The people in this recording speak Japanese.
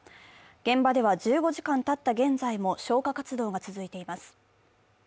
現場では１５時間たった現在も消火活動が続いています。